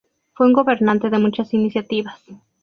Fue un gobernante de muchas iniciativas.